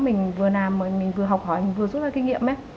mình vừa làm mình vừa học hỏi mình vừa rút ra kinh nghiệm